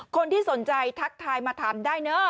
คนที่สนใจทักทายมาถามได้เนอะ